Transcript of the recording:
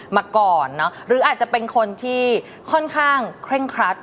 มาก่อนหรืออาจจะเป็นคนที่ค่อนข้างเคร่งครัด